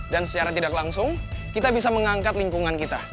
dan secara tidak langsung kita bisa mengangkat lingkungan kita